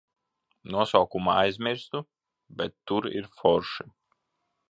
Nosaukumu aizmirsu, bet tur ir forši.